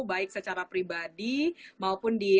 baik secara pribadi maupun di